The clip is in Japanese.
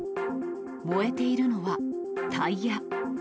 燃えているのは、タイヤ。